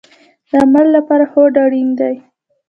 د عمل لپاره هوډ اړین دی